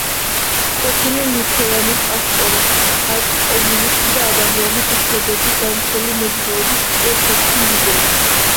ყოფილი ლუთერანი პასტორი, ანტიკომუნისტი და ადამიანის უფლებების დამცველი მოძრაობის ერთ-ერთი ლიდერი გდრ-ში.